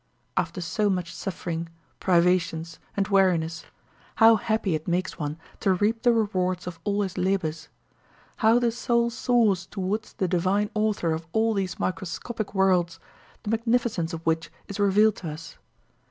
"After so much suffering, privations, and weariness, how happy it makes one to reap the rewards of all his labors! How the soul soars toward the divine Author of all these microscopic worlds, the magnificence of which is revealed to us!